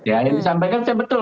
ya yang disampaikan saya betul